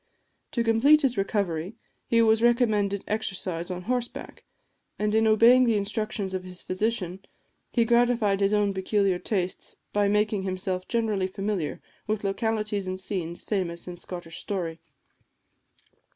To complete his recovery, he was recommended exercise on horseback; and in obeying the instructions of his physician, he gratified his own peculiar tastes by making himself generally familiar with localities and scenes famous in Scottish story.